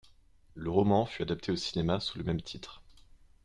Le roman fut adapté au cinéma, sous le même titre.